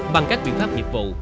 bằng các biện pháp nhiệp vụ